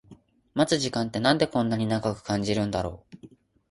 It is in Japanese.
待つ時間ってなんでこんな長く感じるんだろう